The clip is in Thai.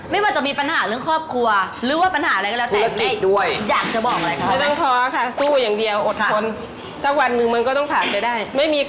ไม่ว่าจะเป็นที่เราสองคนโชคภีมือกันไป